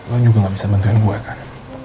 lo juga gak bisa bantuin gue kan